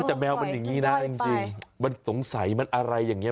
แต่แมวมันอย่างนี้นะจริงมันสงสัยมันอะไรอย่างนี้